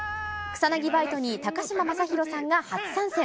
草薙バイトに高嶋政宏さんが初参戦。